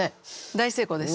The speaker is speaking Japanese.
大成功です。